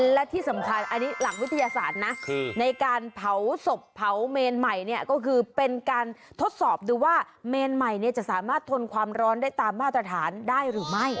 และที่สำคัญอันนี้หลักวิทยาศาสตร์นะคือในการเผาศพเผาเมนใหม่เนี่ยก็คือเป็นการทดสอบดูว่าเมนใหม่เนี่ยจะสามารถทนความร้อนได้ตามมาตรฐานได้หรือไม่